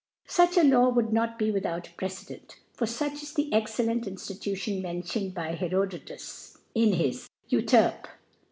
Such a Law would not be witbou^a Precedent ; for fuch is the excellent Irtftitujtion mentioned by Herodotus^ in his Euterpe.